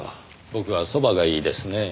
僕はそばがいいですねぇ。